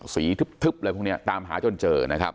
สีทึบอะไรพวกนี้ตามหาจนเจอ